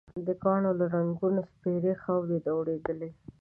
د کاڼو له رنګونو سپېرې خاورې دوړېدلې.